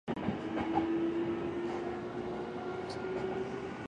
おはようございますご主人様